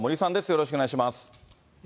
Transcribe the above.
よろしくお願いします。